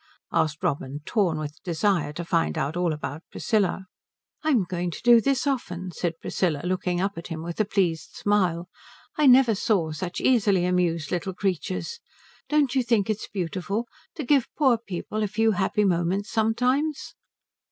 asked Robin, torn with desire to find out all about Priscilla. "I'm going to do this often," said Priscilla, looking up at him with a pleased smile. "I never saw such easily amused little creatures. Don't you think it is beautiful, to give poor people a few happy moments sometimes?"